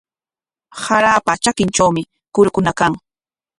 Qaarapa trakintrawmi kurukuna kan.